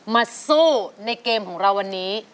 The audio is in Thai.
มาสู้ในเกมของเราวันนี้